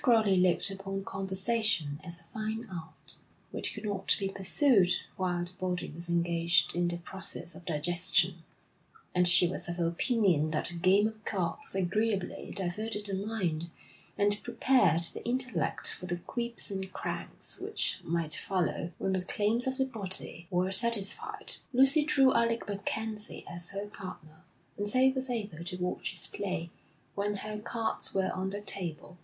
Crowley looked upon conversation as a fine art, which could not be pursued while the body was engaged in the process of digestion; and she was of opinion that a game of cards agreeably diverted the mind and prepared the intellect for the quips and cranks which might follow when the claims of the body were satisfied. Lucy drew Alec MacKenzie as her partner, and so was able to watch his play when her cards were on the table.